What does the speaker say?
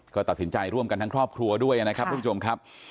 ก็ตัดสินใจร่วมกันทางครอบครัวด้วยนะครับ